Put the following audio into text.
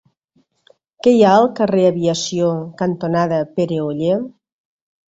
Què hi ha al carrer Aviació cantonada Pere Oller?